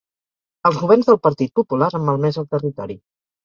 Els governs del Partit Popular han malmès el territori.